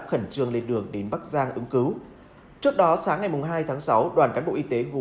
khẩn trương lên đường đến bắc giang ứng cứu trước đó sáng ngày hai tháng sáu đoàn cán bộ y tế gồm